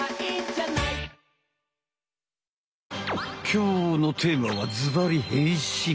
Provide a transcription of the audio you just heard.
きょうのテーマはずばり変身。